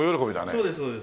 そうですそうです。